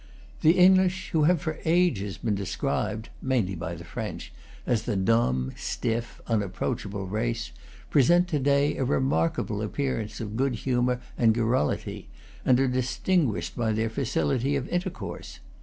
The English, who have for ages been de scribed (mainly by the French) as the dumb, stiff, unapproachable race, present to day a remarkable ap pearance of good humor and garrulity, and are dis tinguished by their facility of intercourse.